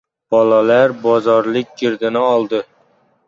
Bolalar bozorlik girdini oldi.